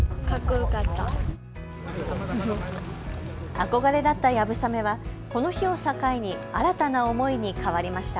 憧れだったやぶさめはこの日を境に新たな思いに変わりました。